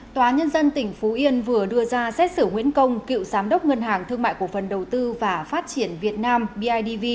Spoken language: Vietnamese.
tòa nhân dân tỉnh phú yên vừa đưa ra xét xử nguyễn công cựu giám đốc ngân hàng thương mại cổ phần đầu tư và phát triển việt nam bidv